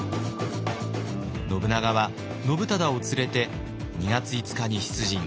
信長は信忠を連れて２月５日に出陣。